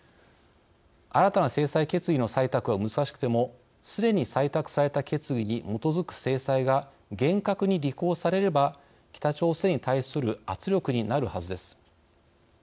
新たな制裁決議の採択が難しくてもすでに採択された決議に基づく制裁が厳格に履行されれば北朝鮮に対する圧力になるはずです。